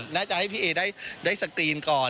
น่าจะให้พี่เอได้สกรีนก่อน